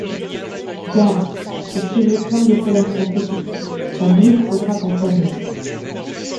Gare! ses cheveux pleins de colère sont épiques ; sa blouse se drape en chlamyde.